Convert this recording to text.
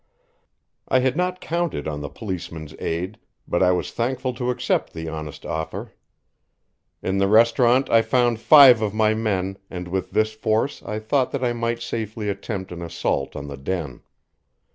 I had not counted on the policeman's aid, but I was thankful to accept the honest offer. In the restaurant I found five of my men, and with this force I thought that I might safely attempt an assault on the Den.